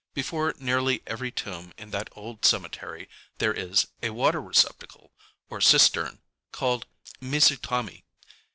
Before nearly every tomb in that old cemetery there is a water receptacle, or cistern, called mizutam├®.